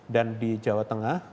dan di jawa tengah